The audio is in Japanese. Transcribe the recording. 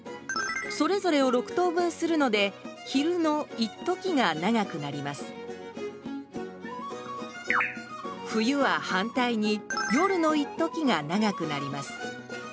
それぞれを６等分するので昼のいっときが長くなります冬は反対に夜のいっときが長くなります。